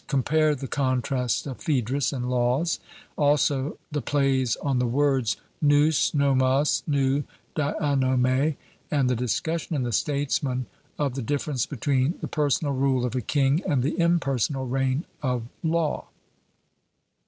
(Compare the contrast of Phaedrus, and Laws; also the plays on the words nous, nomos, nou dianome; and the discussion in the Statesman of the difference between the personal rule of a king and the impersonal reign of law.)